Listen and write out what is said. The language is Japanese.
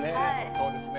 そうですね。